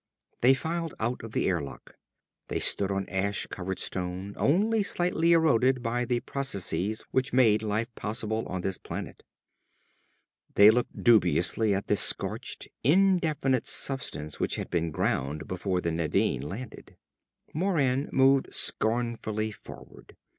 They filed out of the airlock. They stood on ash covered stone, only slightly eroded by the processes which made life possible on this planet. They looked dubiously at the scorched, indefinite substance which had been ground before the Nadine landed. Moran moved scornfully forward.